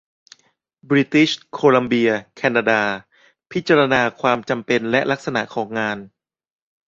บริติชโคลัมเบีย แคนาดา พิจารณาความจำเป็นและลักษณะของงาน